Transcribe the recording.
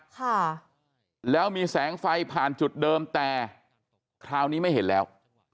ค่ะแล้วมีแสงไฟผ่านจุดเดิมแต่คราวนี้ไม่เห็นแล้ว